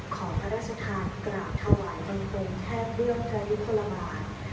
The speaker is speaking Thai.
ขอพระราชทายกลับถวายกันเพิ่มแทบเรื่องพระอิทธิพลบาล